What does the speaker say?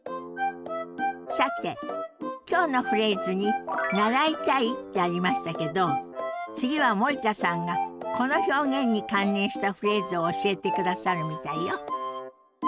さて今日のフレーズに「習いたい」ってありましたけど次は森田さんがこの表現に関連したフレーズを教えてくださるみたいよ。